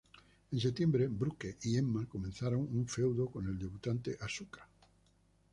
En septiembre, Brooke y Emma comenzaron un feudo con la debutante Asuka.